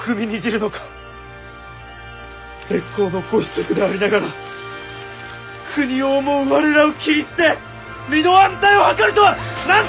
烈公のご子息でありながら国を思う我らを切り捨て身の安泰を図るとはなんという日和見の小者！